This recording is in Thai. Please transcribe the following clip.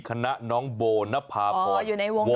คณะน้องโบนภาพรอ๋ออยู่ในวงน้องโบ